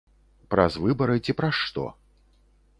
Праз выбары ці праз што?